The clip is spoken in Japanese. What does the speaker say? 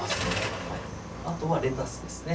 あとはレタスですね